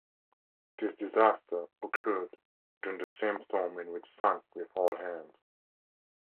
This disaster occurred during the same storm in which sank with all hands.